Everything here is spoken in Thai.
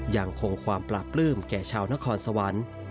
ยังคงความปราบปลื้มแก่ชาวนครสวรรค์